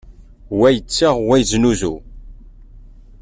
Wa yettaɣ, wa yeznuzu.